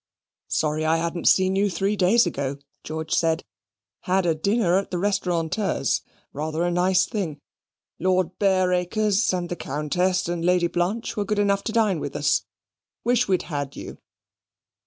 "Sorry I hadn't seen you three days ago," George said. "Had a dinner at the Restaurateur's rather a nice thing. Lord Bareacres, and the Countess, and Lady Blanche, were good enough to dine with us wish we'd had you."